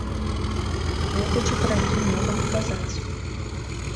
Гледзячы, пра які момант казаць.